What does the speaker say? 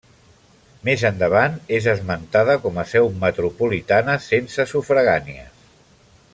Més endavant, és esmentada com a seu metropolitana sense sufragànies.